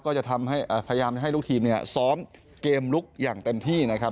ก็จะทำให้พยายามให้ลูกทีมเนี่ยซ้อมเกมลุกอย่างเต็มที่นะครับ